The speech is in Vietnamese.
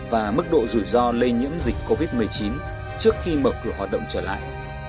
và mức độ rủi ro lây nhiễm dịch covid một mươi chín trước khi mở cửa hoạt động trở lại